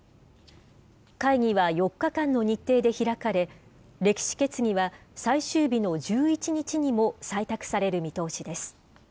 会議は４日間の日程で開かれ、歴史決議は最終日の１１日にも採択される見通しです。